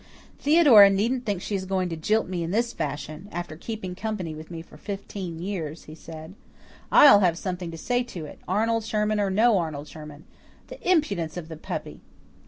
"Theodora needn't think she is going to jilt me in this fashion, after keeping company with me for fifteen years," he said. "I'LL have something to say to it, Arnold Sherman or no Arnold Sherman. The impudence of the puppy!"